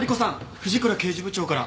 藤倉刑事部長から。